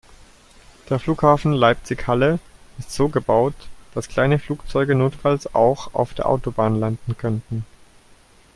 Der Flughafen Leipzig/Halle ist so gebaut, dass kleine Flugzeuge notfalls auch auf der Autobahn landen könnten.